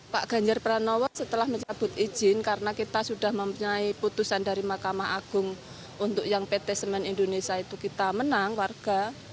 pak ganjar pranowo setelah mencabut izin karena kita sudah mempunyai putusan dari mahkamah agung untuk yang pt semen indonesia itu kita menang warga